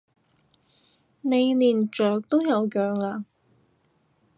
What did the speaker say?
你連雀都有養啊？